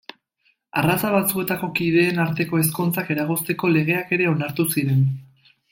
Arraza batzuetako kideen arteko ezkontzak eragozteko legeak ere onartu ziren.